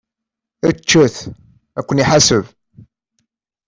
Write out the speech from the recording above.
Ččet! Ad ken-iḥaseb!